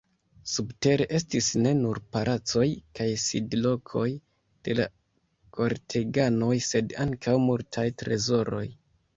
Subtere estis ne nur palacoj kaj sidlokoj de la korteganoj, sed ankaŭ multaj trezoroj.